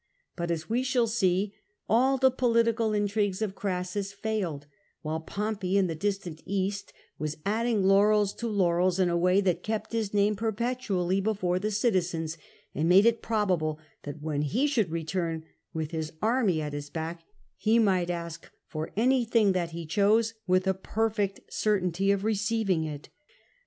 But, as we shall see, all the political intrigues of Crassus failed: while Pompey in the distant East was adding laurels to laurels in a way that kept his name perpetually before the citizens, and made it probable that when he should return, with his army at his back, he might ask for anything that he chose, with a perfect certainty of receiving it.